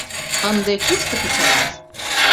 Ынде кушто кычалаш?..